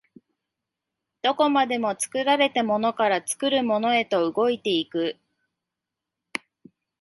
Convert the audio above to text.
どこまでも作られたものから作るものへと動いて行く。